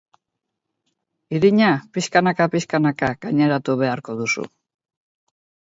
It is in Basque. Irina pixkanaka-pixkanaka gaineratu beharko duzu.